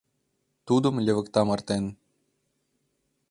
Тудым левыкта мартен